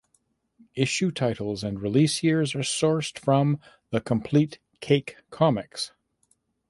Issue titles and release years are sourced from "The Complete Kake Comics".